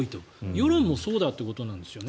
世論もそうだということなんですね。